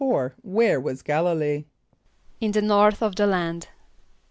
= Where was G[)a]l´[)i] lee? =In the north of the land.